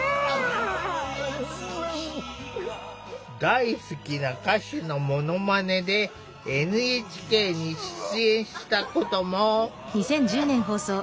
大好きな歌手のものまねでＮＨＫに出演したことも！